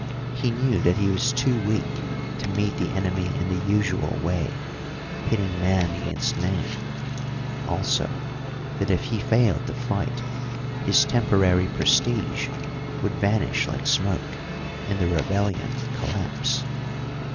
He knew that he was too weak to meet the enemy in the usual way, pitting man against man; also that if he failed to fight, his temporary prestige would vanish like smoke and the rebellion collapse.